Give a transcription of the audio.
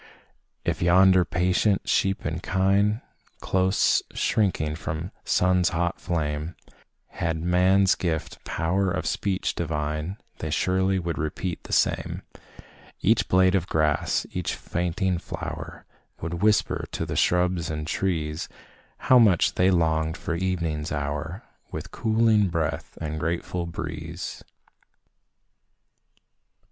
If yonder patient sheep and kine, Close shrinking from the sun's hot flame, Had man's gift "power of speech divine," They surely would repeat the same Each blade of grass, each fainting flower, Would whisper to the shrubs and trees, How much they longed for evening's hour, With cooling breath and grateful breeze.